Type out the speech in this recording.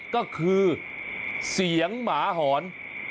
ก็คือเสียงหมาหอน